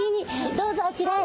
どうぞあちらへ。